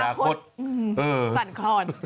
สั่นคลอน